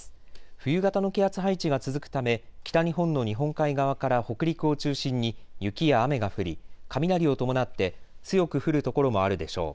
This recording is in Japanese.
冬型の気圧配置が続くため北日本の日本海側から北陸を中心に雪や雨が降り、雷を伴って強く降る所もあるでしょう。